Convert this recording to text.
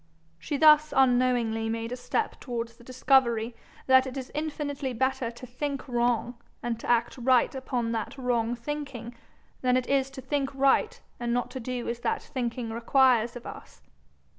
She thus unknowingly made a step towards the discovery that it is infinitely better to think wrong and to act right upon that wrong thinking, than it is to think right and not to do as that thinking requires of us.